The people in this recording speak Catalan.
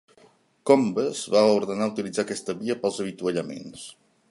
Combes va ordenar utilitzar aquesta via pels avituallaments.